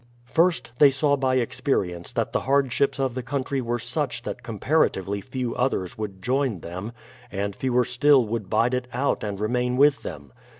First, they saw by experience that the hardships of the country were such that comparatively few others would join them, and fewer still would bide it out and remain with them.